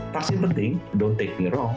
vaksin penting don't take me wrong